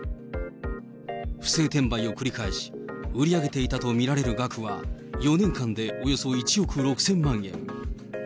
不正転売を繰り返し、売り上げていたと見られる額は、４年間で、およそ１億６０００万円。